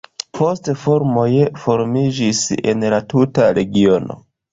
Poste farmoj formiĝis en la tuta regiono.